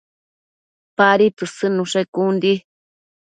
Padi tësëdnushe con di